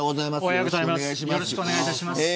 よろしくお願いします。